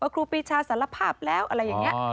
ครูปีชาสารภาพแล้วอะไรอย่างนี้